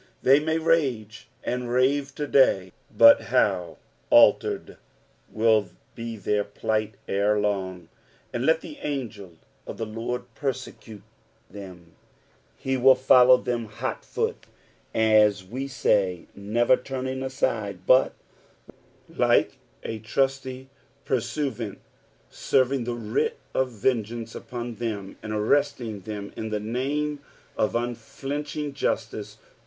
They may rage and rave to day, but how altered will be their plight ere long 1 " And let (& angel ^ the Lord perteevte PSALM THE THIETT PIFTH. 157 ttfltt.*' He will folluw them hot foot, as we mj, aever turning ancle, but like n trusty pnrsuiraut serriug the vrit of vengeance upon them, and arresting them in tbe name of unflinching Justice.